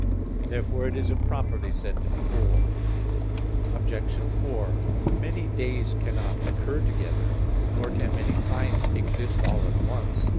Therefore it is improperly said to be "whole." Obj. 4: Many days cannot occur together, nor can many times exist all at once.